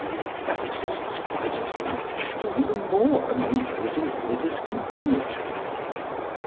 That exists quite as much or even more among those in whom it is congenital.